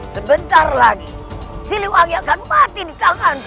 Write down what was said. sebentar lagi ciliwangi akan mati di tanganku